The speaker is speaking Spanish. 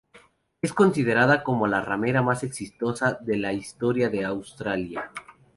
Es considerada como la remera más exitosa de la historia de Australia.